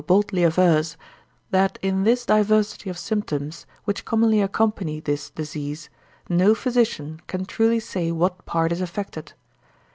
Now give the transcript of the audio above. boldly avers, that in this diversity of symptoms, which commonly accompany this disease, no physician can truly say what part is affected.